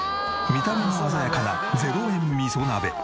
見た目も鮮やかな０円味噌鍋。